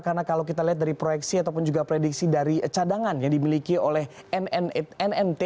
karena kalau kita lihat dari proyeksi ataupun juga prediksi dari cadangan yang dimiliki oleh nnt